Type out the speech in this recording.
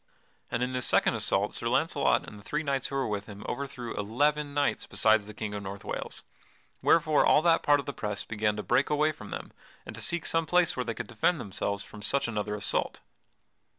And in this second assault Sir Launcelot and the three knights who were with him overthrew eleven knights besides the King of North Wales, wherefore all that part of the press began to break away from them and to seek some place where they could defend themselves from such another assault.